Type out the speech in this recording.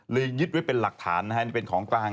ยึดไว้เป็นหลักฐานนะฮะนี่เป็นของกลาง